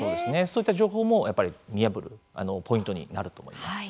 そういった情報もやっぱり見破るポイントになると思います。